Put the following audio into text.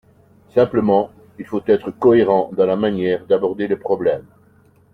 Simplement, il faut être cohérent dans la manière d’aborder les problèmes.